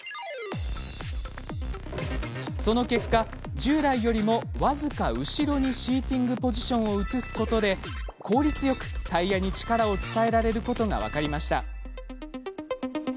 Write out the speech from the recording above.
その結果、従来よりも僅か、後ろにシーティング・ポジションを移すことで効率よくタイヤに力を伝えられることが分かりました。